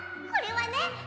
これはね